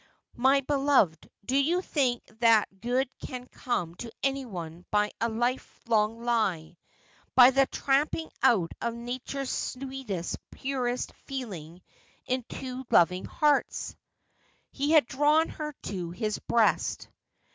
My beloved, do you think that good can come to anyone by a life long lie, by the trampling out of Nature's sweetest purest feeling in two loving hearts ?' He had drawn her to his breast.